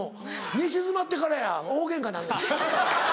寝静まってからや大ゲンカなんねん。